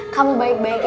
kamu baik baik saja